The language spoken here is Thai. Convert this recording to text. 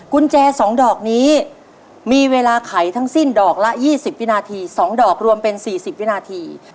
กุญแจ๒ดอกนี้มีเวลาไขทั้งสิ้นดอกละ๒๐วินาที๒ดอกรวมเป็น๔๐วินาที